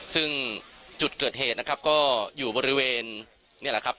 ซึ่งจุดเกิดเหตุนะครับก็อยู่บริเวณนี่แหละครับ